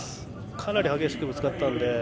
かなり激しくぶつかったので。